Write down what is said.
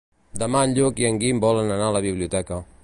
Demà en Lluc i en Guim volen anar a la biblioteca.